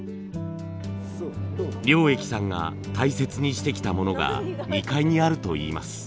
良益さんが大切にしてきたものが２階にあるといいます。